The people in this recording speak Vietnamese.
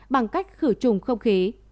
bằng cách khử trùng không khí